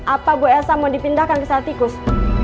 apa bu elsa mau dipindahkan ke satikus